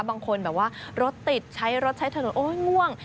บางคนแบบว่ารถติดใช้รถใช้ถนนโอ๊ยง่วง